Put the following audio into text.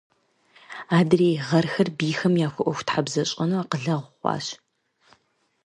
Адрей гъэрхэр бийхэм яхуэӀуэхутхьэбзэщӀэну акъылэгъу хъуащ.